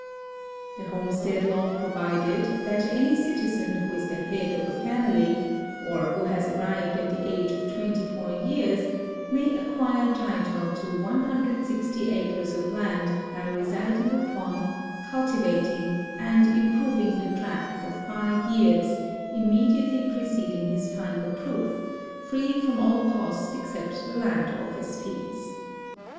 The homestead law provided that any citizen who is the head of a family, or who has arrived at the age of 21 years, may ac (piire title to 160 acres of land by residing upon, cultivating, and improving the tract for five years immediately preceding his final proof, free from all cost except the land office fees.